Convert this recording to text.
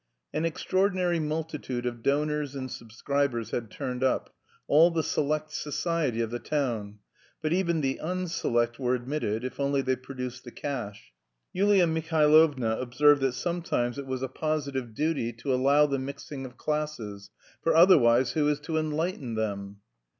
An extraordinary multitude of donors and subscribers had turned up, all the select society of the town; but even the unselect were admitted, if only they produced the cash. Yulia Mihailovna observed that sometimes it was a positive duty to allow the mixing of classes, "for otherwise who is to enlighten them?"